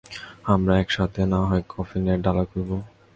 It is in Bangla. আমরা একসাথে নাহয় কফিনের ডালা খুলব?